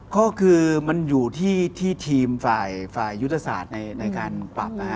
ก็คือมันอยู่ที่ทีมฝ่ายยุทธศาสตร์ในการปรับ